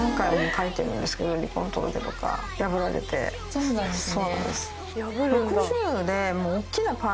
そうなんですね。